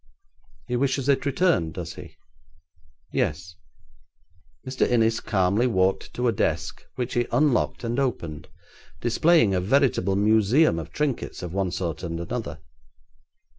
'He wishes it returned, does he?' 'Yes.' Mr. Innis calmly walked to a desk, which he unlocked and opened, displaying a veritable museum of trinkets of one sort and another.